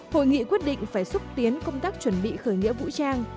hội nghị quyết định phải xúc tiến công tác chuẩn bị khởi nghĩa vũ trang